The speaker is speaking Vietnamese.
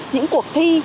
những cuộc thi